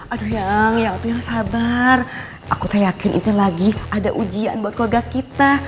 aduh ya itu yang sabar aku tak yakin itu lagi ada ujian buat keluarga kita